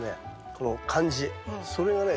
この感じそれがね